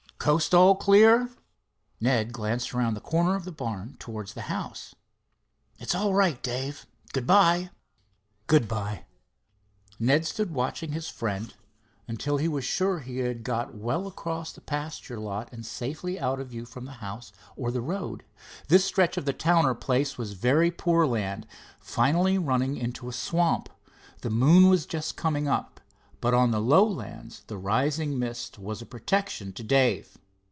Coast all clear?" Ned glanced around the corner of the barn towards the house. "It's all right, Dave—good by." "Good by." Ned stood watching his friend until he was sure he had got well across a pasture lot and safely out of view from the house or the road. This stretch of the Towner place was very poor land, finally running into a swamp. The moon was just coming up, but on the lowlands the rising mist was a protection to Dave.